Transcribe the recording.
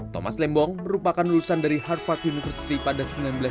thomas lembong merupakan lulusan dari harvard university pada seribu sembilan ratus sembilan puluh